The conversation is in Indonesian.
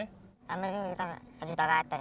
rame itu sejuta ke atas